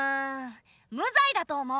無罪だと思う。